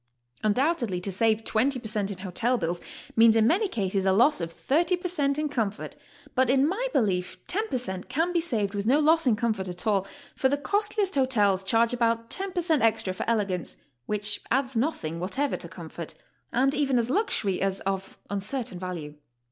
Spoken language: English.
Undoubtedly tc save 20 per cent, in hotel bills means in many cases a loss of 30 per cent, in comfort, but in my belief 10 per cent, can be saved with no loss in comfort at all, for the costliest hotels charge about 10 per cent, extra for ele gance, which adds nothing whatever to comfort, and even as luxury is of uncertain value.